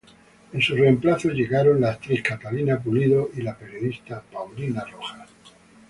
En su reemplazo llegaron la actriz Catalina Pulido y la periodista Paulina Rojas.